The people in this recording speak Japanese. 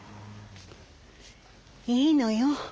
いいのよ。